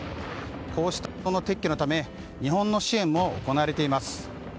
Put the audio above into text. こうした撤去のため日本の支援も行われています。